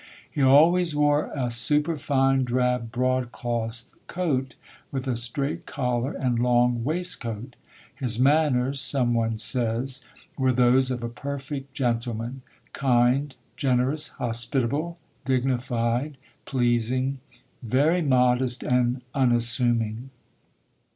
He always wore a superfine, drab broad cloth coat with a straight collar and long waist coat. His manners, some one says, were those of a perfect gentleman kind, generous, hospitable, dignified, pleasing, very modest and unassuming.